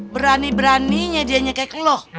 berani beraninya dia nyekek lo